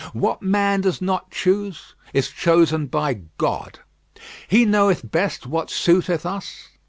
What man does not choose is chosen by God. He knoweth best what suiteth us.